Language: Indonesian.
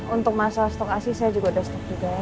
untuk masalah stok asi saya juga udah stok juga ya